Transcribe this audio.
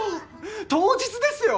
当日ですよ！！